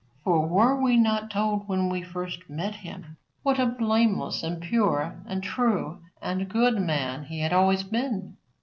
For were we not told when we first met him what a blameless and pure and true and good man he had always been?